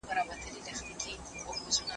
که غوږ درد کوي غوړ مه ور اچوئ.